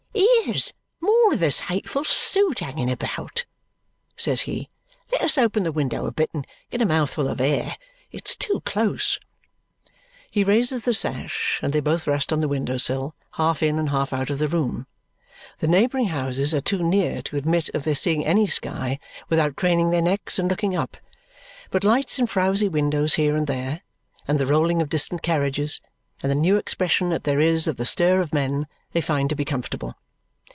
Here's more of this hateful soot hanging about," says he. "Let us open the window a bit and get a mouthful of air. It's too close." He raises the sash, and they both rest on the window sill, half in and half out of the room. The neighbouring houses are too near to admit of their seeing any sky without craning their necks and looking up, but lights in frowsy windows here and there, and the rolling of distant carriages, and the new expression that there is of the stir of men, they find to be comfortable.